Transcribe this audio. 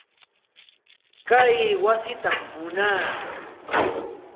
Kay wasitam munaa.